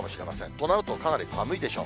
となると、かなり寒いでしょう。